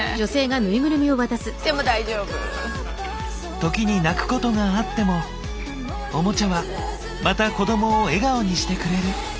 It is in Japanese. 時に泣くことがあってもオモチャはまた子どもを笑顔にしてくれる。